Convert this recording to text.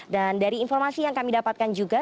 dan dari informasi yang kami dapatkan juga